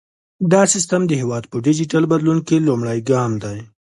دا سیستم د هیواد په ډیجیټل بدلون کې لومړی ګام دی۔